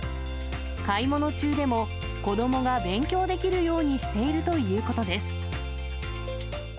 買い物中でも子どもが勉強できるようにしているということです。